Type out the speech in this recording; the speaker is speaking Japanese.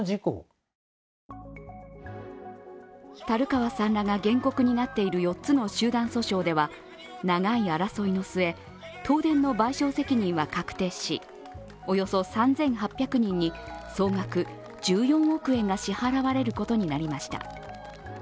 樽川さんらが原告になっている４つの集団訴訟では長い争いの末、東電の賠償責任は確定しおよそ３８００人に総額１４億円が支払われることになりました。